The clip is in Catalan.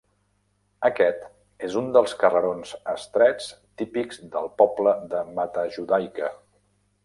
Aquest és un dels carrerons estrets típics del poble de Matajudaica.